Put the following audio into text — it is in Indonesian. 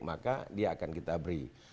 maka dia akan kita beri